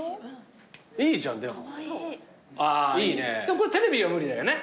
これテレビは無理だよね。